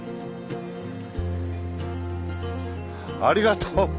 ありがとう！